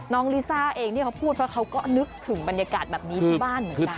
ลิซ่าเองที่เขาพูดเพราะเขาก็นึกถึงบรรยากาศแบบนี้ที่บ้านเหมือนกัน